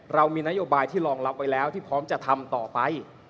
เรามีนโยบายที่รองรับไว้แล้วที่พร้อมจะทำต่อไป